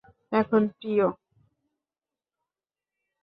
এখন, প্রিয়।